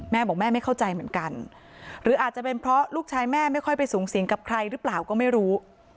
แม่บอกแม่ไม่เข้าใจเหมือนกันหรืออาจจะเป็นเพราะลูกชายแม่ไม่ค่อยไปสูงสิงกับใครหรือเปล่าก็ไม่รู้